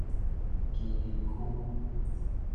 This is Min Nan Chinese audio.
旗津區